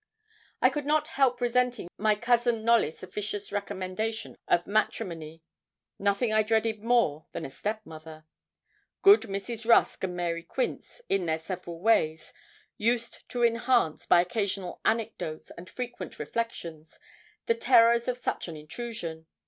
I could not help resenting my Cousin Knollys' officious recommendation of matrimony. Nothing I dreaded more than a step mother. Good Mrs. Rusk and Mary Quince, in their several ways, used to enhance, by occasional anecdotes and frequent reflections, the terrors of such an intrusion.